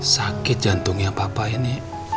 sakit jantungnya papa ini